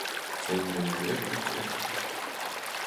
Чоҥымо вер — уке.